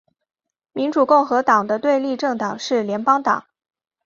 民主共和党的对立政党是联邦党。